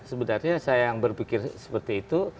sebenarnya saya yang berpikir seperti itu